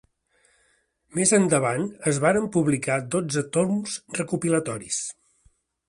Més endavant, es varen publicar dotze toms recopilatoris.